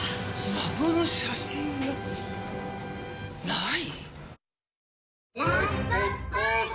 孫の写真がない？